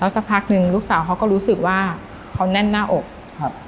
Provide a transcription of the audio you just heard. สักพักหนึ่งลูกสาวเขาก็รู้สึกว่าเขาแน่นหน้าอกครับ